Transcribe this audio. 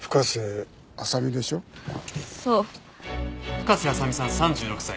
深瀬麻未さん３６歳。